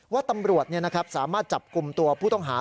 ว่าตำรวจสามารถจับกลุ่มตัวผู้ต้องหา